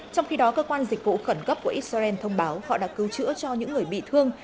trong khi đó cơ quan dịch vụ khẩn cấp của israel thông báo họ đã cứu chữa cho những người bị thương